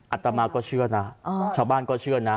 อัตมาก็เชื่อนะชาวบ้านก็เชื่อนะ